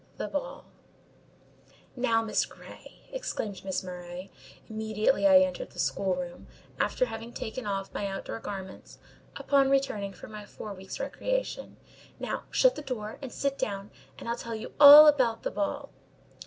THE BALL "Now, Miss Grey," exclaimed Miss Murray, immediately I entered the schoolroom, after having taken off my outdoor garments, upon returning from my four weeks' recreation, "Now—shut the door, and sit down, and I'll tell you all about the ball."